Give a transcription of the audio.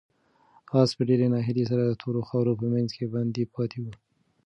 آس په ډېرې ناهیلۍ سره د تورو خاورو په منځ کې بند پاتې و.